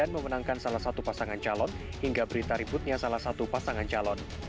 memenangkan salah satu pasangan calon hingga berita ributnya salah satu pasangan calon